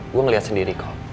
gue ngeliat sendiri kok